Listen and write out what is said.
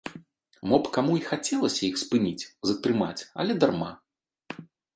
Мо б каму й хацелася іх спыніць, затрымаць, але дарма!